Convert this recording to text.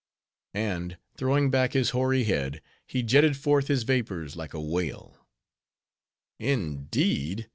And throwing back his hoary old head, he jetted forth his vapors like a whale. "Indeed?"